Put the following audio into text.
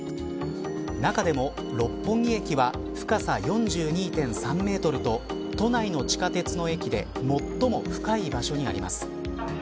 中でも、六本木駅は深さ４２．３メートルと都内の地下鉄の駅で最も深い場所にあります。